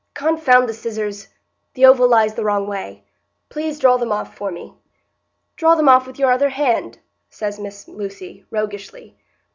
"Confound the scissors! The oval lies the wrong way. Please draw them off for me." "Draw them off with your other hand," says Miss Lucy, roguishly.